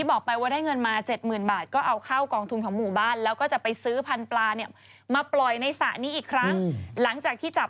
หลังจากที่จับปลาเนี่ยถึงปลอมคลับไม่ไหวนะครับ